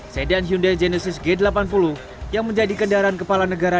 sedan hyundai genesis g delapan puluh yang menjadi kendaraan kepala negara